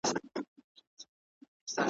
ډېر پخوا چي نه موټر او نه سایکل وو `